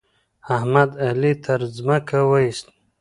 احمد؛ علي تر ځمکه واېست.